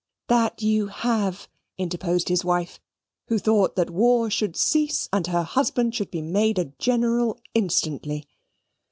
"That you have," interposed his wife, who thought that war should cease, and her husband should be made a general instantly.